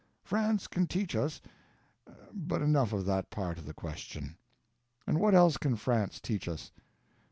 France can teach us but enough of that part of the question. And what else can France teach us?